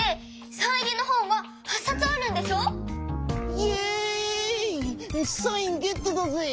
サインゲットだぜ。